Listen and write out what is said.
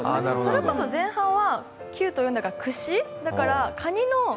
それこそ前半は、９と４だから、くし。